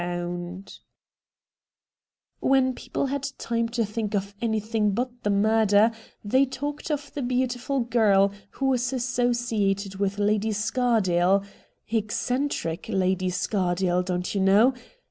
A NINE DAYS' WONDER 205 When people had time to think of any thing but the murder they talked of the beautiful girl who was associated with Lady Scardale —' eccentric Lady Scardale, don't you know